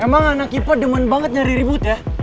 emang anak kita demen banget nyari ribut ya